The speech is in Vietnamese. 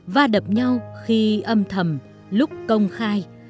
và đập nhau khi âm thầm lúc công khai